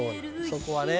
そこはね。